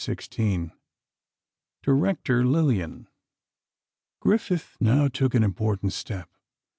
XVI DIRECTOR LILLIAN Griffith now took an important step.